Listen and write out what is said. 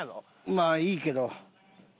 まあいいけど。